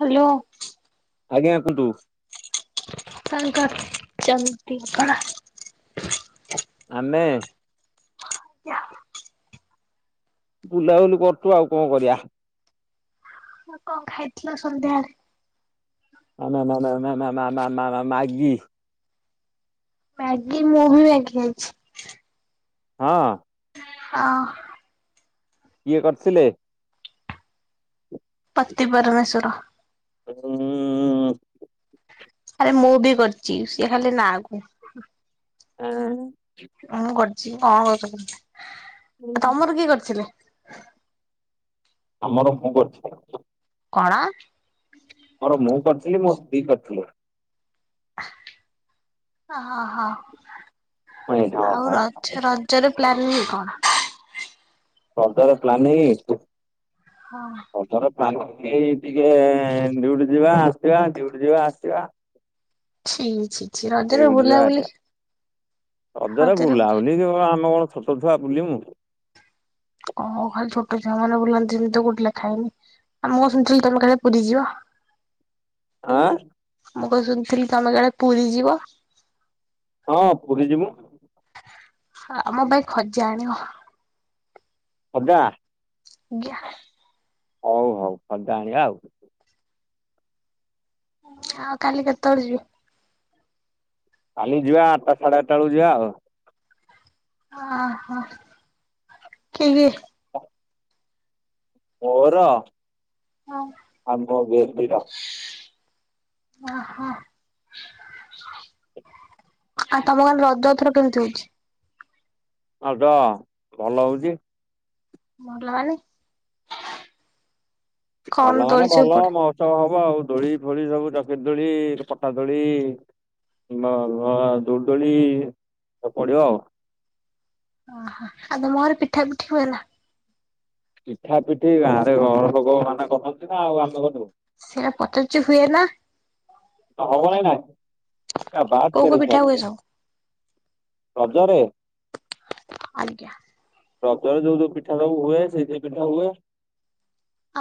Hello ଆଜ୍ଞା କୁହନ୍ତୁ? କଣ କରୁଛନ୍ତି ଆପଣ? ଆମେ? ଆଜ୍ଞା। ବୁଲାବୁଲି କରୁଛୁ ଆଉ କଣ କରିବା। ହଁ କଣ ଖାଇଥିଲ ସନ୍ଧ୍ୟାବେଳେ? ଆ ମା-ମା-ମା-ମା-ମା-ମା-ମାଗି। ମ୍ୟାଗି ମୁଁ ବି ମ୍ୟାଗି ଖାଇଛି। ହଁ? ହଁ। କିଏ କରିଥିଲେ? ପତି ପରମେଶ୍ୱର। ହୁଁ ଆରେ ମୁଁ ବି କରିଛି ସିଏ ଖାଲି ନାଆଁ କୁ। ଆଁ ମୁଁ କରିଛି କଣ [unintelligible] ତମର କିଏ କରିଥିଲେ? ଆମର ମୁଁ କରିଛି। କଣ? ଆମର ମୁଁ କରିଥିଲି ମୋ ସ୍ତ୍ରୀ କରିଥିଲେ। ହା ଅ ହଁ ହଁ ହଁ ଆଉ ହଁ। ରଜ ର ରଜର ପ୍ଲାନିଂ କଣ? ରଜ ର ପ୍ଲାନିଙ୍ଗ? ହଁ। ଏଥର ପ୍ଲାନିଙ୍ଗ ଟିକେ ଡିଉଟି ଯିବା ଆସିବା ଡିଉଟି ଯିବା ଆସିବା। ଛି ଛି। ଛି ରଜରେ ଡିଉଟି ଯିବା ବୁଲାବୁଲି ଆସିବା ଅଦରେ ରଜରେ ବୁଲା ବୁଲି କେବଳ ଆମେ କଣ ଛୋଟ ଛୁଆ ବୁଲିମୁ। କଁ ଖାଲି ଛୋଟ ଛୁଆ ମାନେ ବୁଲନ୍ତିନି କୋଉଥି ଲେଖା ହେଇନି। ମୁଁ ଶୁଣିଥିଲି ତମେ କାଳେ ପୁରୀ ଯିବ। ଆଁ। ମୁଁ କଣ ଶୁଣିଥିଲି ତମେ କାଳେ ପୁରୀ ଯିବ। ହଁ ପୁରୀ ଯିମୁ। ଆମ ପାଇଁ ଖଜା ଆଣିବ। ଖଜା। ଜ୍ଞା। ହଉ ହଉ ଖଜା ଆଣିବା ଆଉ। [unintelligible] କାଲି କେତେବେଳେ ଯିବ। କାଲି ଯିବା ଆଟଟା ସାଢେ ଆଟଟା ବେଳକୁ ଯିବା ଆଉ। ଆ ହ କିଏ କିଏ। ମୋର ଆମ ବେବୀ ର। ଓ ହ। ଆଉ ତମ ଗାଁରେ ରଜ ଏଥର କେମିତି ହଉଚି। ଆଉ ତ ଭଲ ହଉଚି। ଭଲ ମାନେ। କଣ ଭଲ ଦୋଳି ମାନେ ସବୁ ଭଲ ପଡେ? ମହୋତ୍ସବ ହବ ଆଉ ଦୋଳି ଫୋଳି ସବୁ ଚକିର ଦୋଳି ପଟା ଦୋଳି [unintelligible] ଦୋଳିଦୋଳି ସବୁ ପଡିବ ଆଉ। ଓହୋ ଆଉ ତମ ଘରେ ପିଠା ପିଠି ହୁଏ ନା। ପିଠା ପିଠି ଗାଁ ରେ ଘର ଲୋକ ମାନେ କରନ୍ତି ନା ଆଉ ଆମେ କରିବୁ। ସେୟା ପଚାରୁଚି ହୁଏ ନା। ହ ହବନେଇନା କୋଉ କୋଉ [unintelligible] ପିଠା ହୁଏ ସବୁ? ରଜରେ। ଆଜ୍ଞା। ରଜରେ ଯୋଉ ଯୋଉ ପିଠା ସବୁ ହୁଏ ସେଇ ସେଇ ପିଠା ହୁଏ।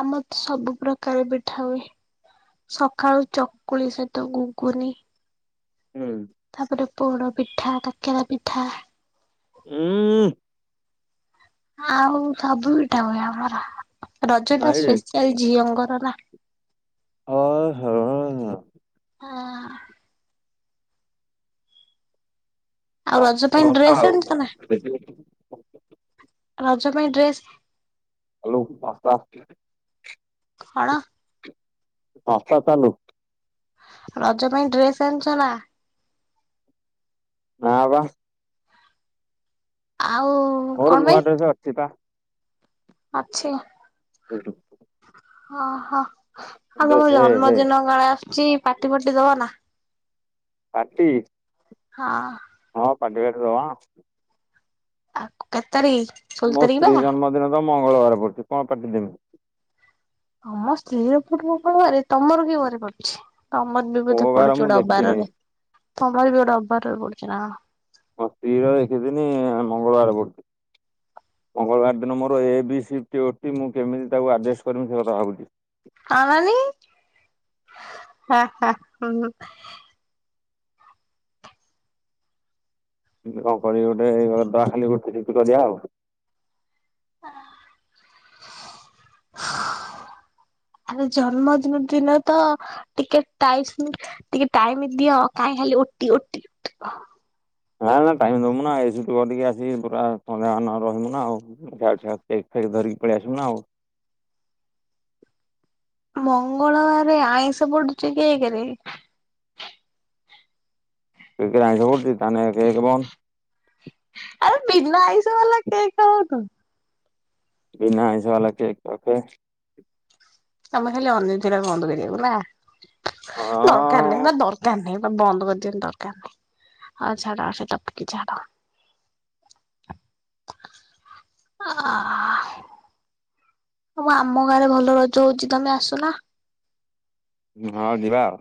ଆମ ତ ସବୁ ପ୍ରକାର ପିଠା ହୁଏ। ସଖାଳୁ ଚକୁଳି ସହିତ ଗୁଗୁନି। ଉଁ। ତାପରେ ପୋଡ ପିଠା କାକେରା ପିଠା। ଉଁ। ଆଉ ସବୁ ପିଠା ହୁଏ ଆମର ରଜ ଟା ନାଇଁରେ ସ୍ପେଶାଆଲ ଝିଅଙ୍କର ନା। ଓହୋ। ହଁ। ଆଉ ରଜ ଭଲ ପାଇଁ କଥା ଡ୍ରେସ ଆଉ ଆଣିଚ ନା ଦେଖିବୁ ରଜ ପାଇଁ ଡ୍ରେସ। ହ୍ୟାଲୋ [unintelligible] ଖଣ। ସଂସ୍ଥା ଚାଲୁ। ରଜ ପାଇଁ ଡ୍ରେସ୍ ଆଣିଚ ନା। ନାଁ ବା। ଆଉ କଣ ମୋର ନୂଆ ପାଇଁ ଡ୍ରେସ ଅଛି ପା। ଅଛି। ହୁଁ। ଓହୋ ଡ୍ରେସ ଆଉ ହେ ତମ ହେ ଜନ୍ମଦିନ କାଳେ ଆସୁଚି ପାଟି ପାଟି ଦବ ନା। ପାଟି। ହଁ। ହଁ ପାଟିଫାଟି ଦବା। ଆଉ କେତେ ତାରିଖ? ଷୋହଳ ମୋ ତାରିଖ ସ୍ତ୍ରୀ ବା ଜନ୍ମଦିନ ତ ମଙ୍ଗଳବାର ପଡୁଛି କଣ ପାର୍ଟି ଦେମି? ଆମ ସ୍ତ୍ରୀ ର ଫୁଣି ମଙ୍ଗଳବାରେ ତମର କିଏ ଘରେ ପଡୁଛି? ତମର ବି ମୋ ବୋଧେ ବାର ପଡୁଛି ମୁଁ ଗୋଟେ ଦେଖିନି। ଅବାରରେ ତମର ବି ଗୋଟେ ଅବାରରେ ପଡୁଛି ନା କଣ? ମୋ ସ୍ତ୍ରୀ ର ଏକ ଦିନି ମଙ୍ଗଳବାର ବାର ପ ମଙ୍ଗଳବାର ଦିନ ମୋର ଏ ବି ସିଫ୍ଟି ଓ ଟି ମୁଁ କେମିତି ତାକୁ ଆଡ଼ଜଷ୍ଟ କରିମି ସେ କଥା ଭାବୁଛି? ଆନାନି ହାଁ ହାଁ। [inaudible] କଣ କରିକି ଗୋଟେ ଇଏ କର୍ଦବା ଖାଲି ରୁଟି ଫିଷ୍ଟ କରିବା ଆଉ। ଆଃ ଆରେ ଜନ୍ମଦିନ ଦିନ ତ ଟିକେ ଟାଇସ ଟିକେ ଟାଇମ ଦିଅ କାହିଁ ଖାଲି ଓ ଟି ଓ ଟି ନା ନା ଟାଇମ ଦବୁ ନା ଏସଠୁ କରିକି ଆସି ପୁରା ସନ୍ଧ୍ୟା ମାନ ରହିବୁ ନା ଆଉ। [unintelligible] ଧରିକି ପଳେଇ ଆସିବୁ ନା ଆଉ। ମଙ୍ଗଳବାର ଆଇଁଷ ପଡୁଛି କେକରେ ସେଇତୀରେ ଆଇଁଷ ପଡୁଚି ତାହେନେ କେକ ବନ୍ଦ୍। ଆରେ ବିନା ଆଇଁଷ ବାଲା କେକ ଖାବୁ ତୁ। ବିନା ଆଇସ ବାଲା କେକ୍ ରକେ ତମର ଖାଲି ହେଲେ ଅନେଇ ଥିଲ ବନ୍ଦ କରିବାକୁ ନା। ହଁ। କାଲି ନା ଦରକାର ନାହିଁ ତ ବନ୍ଦ କରଦିଅ ନି ଦର୍କର ନାହିଁ ଆ ଛାଡ ଅ ସେ ଟପକି ଛାଡ। ଆଃ ମୋ ମାମୁଁ ଘରେ ଭଲ ରଜ ହଉଛି ତମେ ଆସୁନ? ହଁ ଯିବା ଆଉ।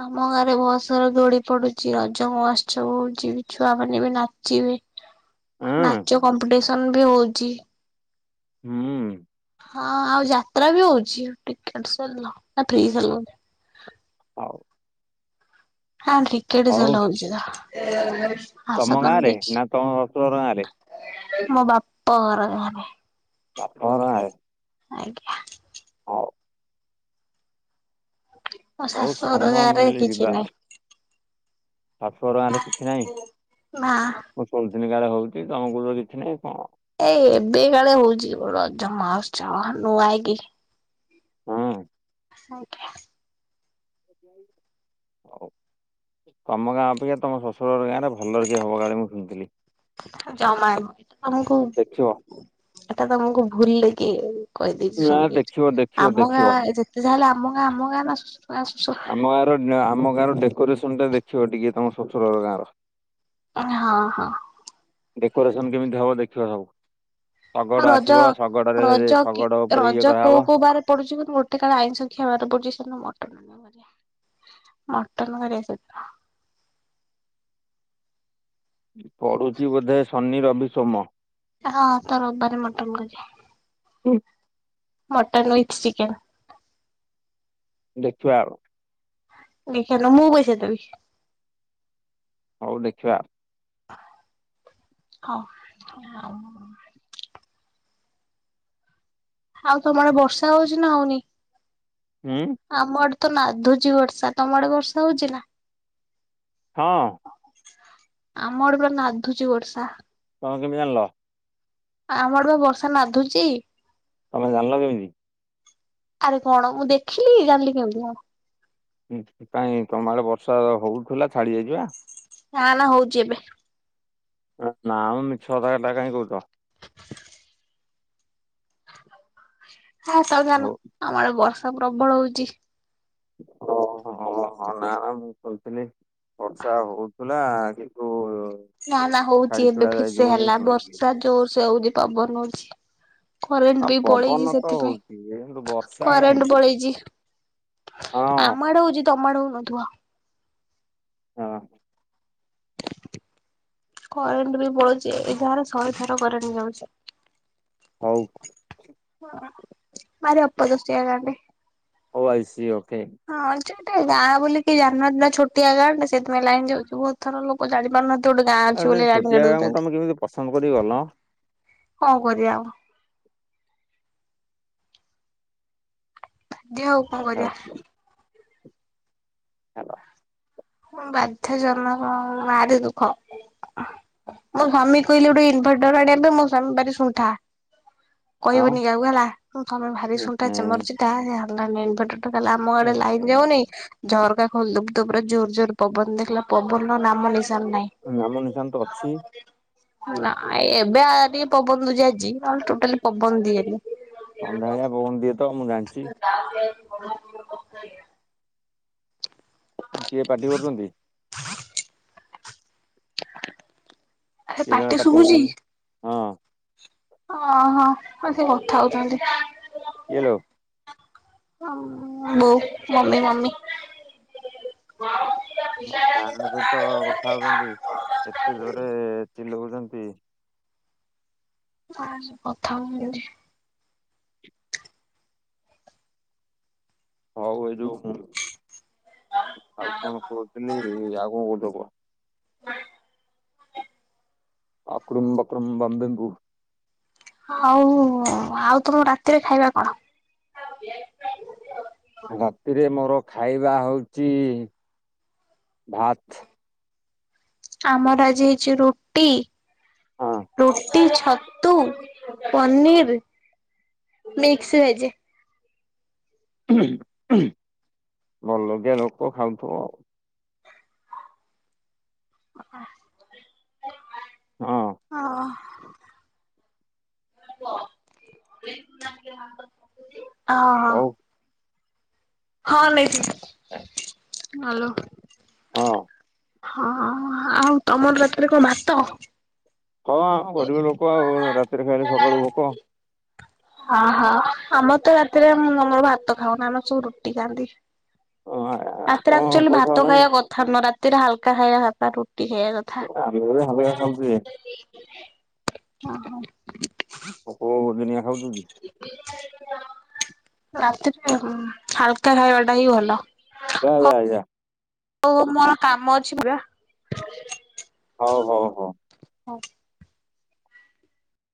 ଆମ ଗାଁରେ ବ ସାର ଦୋଳି ପଡୁଛି ରଜ ମହୋତ୍ସବ ହଉଛି ଛୁଆ ମାନେ ବି ନାଚିବେ। ହଁ ନାଚ କମ୍ପିଟିସନ ବି ହଉଛି। ହୁଁ। ହଁ ଆଉ ଯାତ୍ରା ବି ହଉଛି ଟିକେଟ ସେଲ ନା ଫ୍ରି ସେଲ ହଉ। ହଁ ଟିକେଟ ହଉ ସେଲ ହଉଛି ରହ। ତମ ଗାଁରେ ନା ତମ ଶାଶୁଘର ଗାଁରେ ମୋ ବାପଘର ଗାଁରେ ବାପଘର ଗାଁ ରେ ଆଜ୍ଞା। ହଉ। ମୋ ହଉ ଶାଶୁଘର ସମୟ ଗାଁରେ ମିଳିଲେ କିଛି ନାହିଁ। ସାତଶଟଙ୍କାଁରେ କିଛି ନାହିଁ ମା [unintelligible] ହଉଛି ତମେ କହୁଚ କିଛି ନାହିଁ କଣ ଏଇ ଏବେ କାଳେ ହଉଛି ରଜ ମହୋତ୍ସବ ନୂଆ ହେଇକି ହୁଁ। ଆଜ୍ଞା। ଯାଉ। ହଉ ତମ ଗାଁ ଅପେକ୍ଷା ତମ ଶଶୁରଘର ଗାଁ ରେ ଭଲେଇକି ହବ କାଳେ ମୁଁ ଶୁଣିଥିଲି। ଜମା ନୁହଁ ତମକୁ ଏଟା ଦେଖିବ ତମକୁ ଏଟା ତମକୁ ଭୁଲେଇକି କହିଦେଇଛି ନା ସ [unintelligible] ଦେଖିବ ଦେଖିବ ଆମ ଦେଖିବ ଗାଁ ଯେତେ ଯାହା ହେଲେ ଆମ ଗାଁ ଆମ ଗାଁ ନା [unintelligible] ଆମ ଗାଁର ଆମ ଗାଁର ଡେକୋରେସନଟା ଦେଖିବ ଟିକେ ତମ ଶଶୁରଘର ଗାଁର ହଁ ହଁ। ଡେକୋରେସନ କେମିତି ହବ ଦେଖିବ ସବୁ। ଆଉ ଶଗଡ ରଜ ଆସିବ ଶଗଡରେ ରଜ କି ଶଗଡ ଉପରେ ରଜ ଇଏ କୋଉ କରାହବ। କୋଉ ବାର ପଡୁଛି କିନ୍ତ ଗୋଟେ କାଳେ ଆଇଁଷ ଖିଆ ବାର ପଡୁଛି ସେଦିନ ମଟନ୍ ମଟନ୍ କରିବା ସେଦିନ। ପଢୁଛି ବୋଧେ ଶନି ରବି ସୋମ ହଁ ତରବର ମୋଟମ ଗଛେ ହୁଁ ମଟନ୍ ଉୱଥ୍ ଚିକେନ୍ ଦେଖିବା ଆଉ ନି ଖେଲ ମୁଁ କସ ତ ବିି ହଉ ଦେଖିବା ହଁ ଆଉ ତମର ବର୍ଷା ହଉଛି ନା ହଉନି ହୁଁ ଆମ ଆଡେ ତ ନାଧୁଛି ବର୍ଷା ତମ ଆଡେ ବର୍ଷା ହଉଛି ନା ହଁ ଆମଡେ ପୁରା ନାଧୁଛି ବର୍ଷା ତମଣ କେମି ଆଣ ଲ ଆମର ବା ବର୍ଷା ନାଧୁଚ ତମେ ଜାଣିଲ କେମିତି ଆରେ କଣ ମୁଁ ଦେଖିଲି ଜାଣିଲି କେମିତି ଆ ସେଥିପାଇ ତମବେଳେ ବର୍ଷା ହଉଥିଲା ଛାଡି ଯାଇଯିବା ନା ନା ହଉଛି ଏବେ ନାଁ ମୁଁ ମିଛଅ କଟା କାହିଁ କହୁଛ ହ ତଧାନ ହଉ ଆମର ବର୍ଷା ପ୍ରବଳ ହଉଛି ଓହୋ ହୋ ନା ମୁଁ କହୁଥିଲି ବର୍ଷା ହଉ ପଲା କିୁ ନା ନା ହଉଛି ଏବେ ଫିସ ହେଲା ଶୁଣିଥିଲି ବର୍ଷା ଜୋର ସେ ହଉଛି ପବନ ହଉଛି କରେଣ୍ଟ ଆଉ ବି ପଳେଇଛି ପବନ ତ ହଉଛି କିନ୍ତୁ ସେଥିପାଇଁ ବର୍ଷା କରେଣ୍ଟ କାହିଁକି ପଳେଇଛି ହଁ ଆମ ଆଡେ ହଉଛି ତମଡ ହଉନଧୁଆ ହଁ କରେଣ୍ଟ ବି ପଳୁଛି ଯାହାର ଶହେଥର କରେଣ୍ଟ ଯାଉଛ ହଉ ହ ମାର ଆପା ଦ ସେଆ କରେ ଓ ଆଇସି ଓକେ ହଁଟା ଗାଁ ବୋଲି କି ଜାିନହାନ୍ତି ନା ଛୋଟିଆ ଗାଁ ଟେ ସେଥିିନାଇ ଲାଇିଁ ଯାଉଛି ବହୁତ ଥର ଲୋକ ଜାଣି ପାରୁନହାନ୍ତି ଆ ସେ ଛୋଟିଆ ଗାଁଙ୍କୁ ତମେ କେମିତି ପସନ୍ଦ କର ଗଲ କଣ କରିବା ଆଉ ଦିଅ ହଉ କଣ କରିବା ଛାଡ଼, ହଲ ବାଧ୍ୟ ଜନ୍ମର ନାରି ଦୁଃଖ ମୋ ସଵାମୀ କହିଲେ ଗୋଟେ ଇନଭର୍ଟର ଆଡେ ଏବେ ମୋ ସଵାମୀ ଭାରି ଶଣ୍ଠା ଆଉ କହିବନି କାକୁ ହେଲାଁ ତମେ ଭାରି ଉଁ, ଶୁଣଟା ଚମରଚଟାର ଆମ ଆଡେ ଲାଇନ ଏହେ, ଯାଉନି ଝରକା ଖୋଲୁ ତ ଜୋ ଯୋର ପବନ ଦେଖିଲା ପବନର ନାମ ନେଇସାର ନାହିଁ ଁମଁ ନିଶାନ୍ତ ଅଛି [unintelligible] ନା ଏବେ ଆିକ ପବନ ଦଝ ଆଜିଲେ ଟୋଟାଲି ପବନ ଦି ସନ୍ଧ୍ୟା ଭଳିଆ ବୋନ ଦିଏ ତ ମୁଁ ଜାଣିଛି [unintelligible] କିଏ ପାଟି କରୁଛନ୍ତି [unintelligible] ଆରେ କିଏ ଜଣ ପାଟି ପାର୍ଟି ଶୁଭୁଛି? କରୁଛନ୍ତି ହଁ ଓହୋ ଆ ସେ କଥା ହଉଛନ୍ତି କଲୋ ହ ବୋଉ ମମି ମମି। ହଁ [unintelligible] ତ କଥା ହଉଛନ୍ତି ଏତେ ଜୋରେ ଚିଲଉଛନ୍ତି। ଆ କଥା [unintelligible] ହଉ ଏଇ ଯୋଉ ଆଉ କଣ କରହୁଛନ୍ତି ଆଉ କଣ କହୁଦ କ ଆପଡ଼ମ୍ ପାକୁଡ଼ମ୍ [unintelligible] ହଉ ଆଉ ତମ ରାତିରେ ଖାଇବା କଣ? [unintelligible] ରାତିରେ ମୋର ଖାଇବା ହଉଛି ଭାତ୍। ଆମର ଆଜି ହେଇଛି ରୁଟି ହଁ ରୁ ରଟି ଛତୁ ପନିର ମିକ୍ସ ଭେଜ। ବଡଲୋକିଆ ଲୋକ ଖାଉଥୁ ଆଉ। ହଁ ଓ। ଓଁ ହ। ହଉ ହଁ ନେଇଥିଲି ହ୍ୟାଲୋ। ହଁ ହଁ ଆଉ ତମର ରାତିରେ କଣ ଭାତ? ହଁ ଆଉ ଗରିବ ଲୋକ ଆଉ ରାତିରେ ଖାଇଲେ ସକାଳୁ ଭୋକ। ଓହୋ ଆମର ତ ରାତିରେ ଆମର ଭାତ ଖାଉନି ଆମେ ସବୁ ରୁଟି ଖାଆନ୍ତି। ଓ। ରାତିରେ ଆକ୍ଚୁଆଲି ଭାତ ଖାଇବା କଥା ନ ରାତିରେ ହାଲକା ଖାଇବା ରୁଟି ଖାଇବା କଥା। [unintelligible] ଓ ହୋ। ପୋକୋ [unintelligible] ଦନିଆ ଖାଉଛୁ। କି ରାତିରେ ହାଲକା ଖାଇବା ଟା ହିଁ ଭଲ। ହଉ [unintelligible] ହଉ ମୋର କାମ ଅଛି ପରା। ହଉ ହଉ ହଉ। ହଁ।